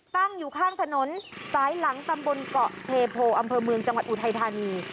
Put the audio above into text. ตั้งอยู่ข้างถนนสายหลังตำบลเกาะเทโพอำเภอเมืองจังหวัดอุทัยธานี